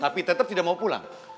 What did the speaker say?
tapi tetap tidak mau pulang